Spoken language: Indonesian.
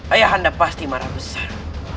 ayah anda pasti marah besar